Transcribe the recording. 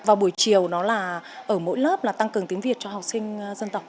vào buổi chiều nó là ở mỗi lớp là tăng cường tiếng việt cho học sinh dân tộc